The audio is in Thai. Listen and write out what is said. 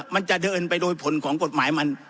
มันจะเดินไปโดยผลของกฎหมายมัน